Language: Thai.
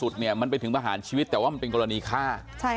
หรือจะมีเกินไปถึงวรรลชีวิตแต่ว่ามันเป็นกรณีฆ่า